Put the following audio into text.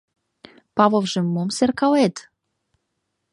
— Павылже мом серкалет?